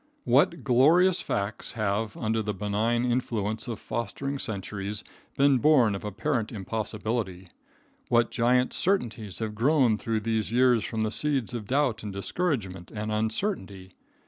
What glorious facts have, under the benign influence of fostering centuries, been born of apparent impossibility. What giant certainties have grown through these years from the seeds of doubt and discouragement and uncertainty!